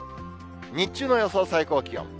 日中の予想最高気温。